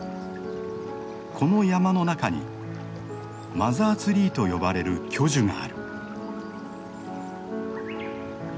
この山の中にマザーツリーと呼ばれる巨樹がある。